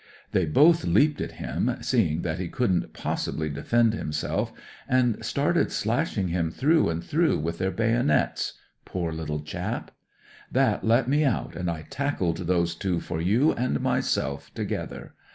They both leaped at him, seeing that he couldn't possibly defend himself, and started slashing him through and through with their bayonets — ^poor little chap. That let me out, and I tackled those two for you and myself together.